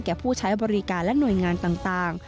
ผู้ใช้บริการและหน่วยงานต่าง